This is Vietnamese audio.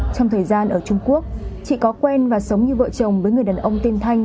trong thời gian ở trung quốc chị có quen và sống như vợ chồng với người đàn ông tên thanh